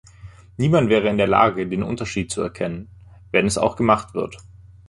Niemand wäre in der Lage, den Unterschied zu erkennen, wenn es auch gemacht wird.